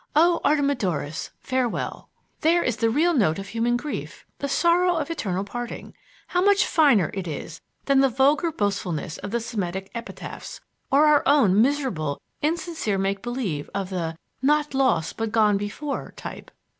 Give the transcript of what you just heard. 'O Artemidorus, farewell!' There is the real note of human grief, the sorrow of eternal parting. How much finer it is than the vulgar boastfulness of the Semitic epitaphs, or our own miserable, insincere make believe of the 'Not lost but gone before' type.